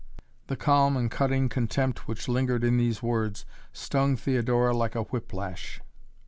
The calm and cutting contempt which lingered in these words stung Theodora like a whip lash.